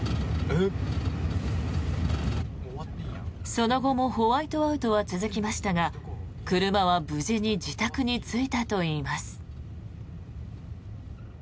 その後もホワイトアウトは続きましたが車は無事に自宅についたといいます。